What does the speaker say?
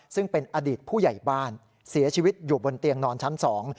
ซึ่งเป็นอดีตผู้ใหญ่บ้านเสียชีวิตอยู่บนเตียงนอนชั้นสอง